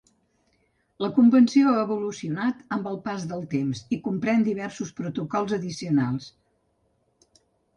La Convenció ha evolucionat amb el pas del temps i comprèn diversos protocols addicionals.